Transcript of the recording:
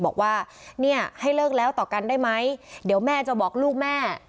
บอกว่าเนี่ยให้เลิกแล้วต่อกันได้ไหมเดี๋ยวแม่จะบอกลูกแม่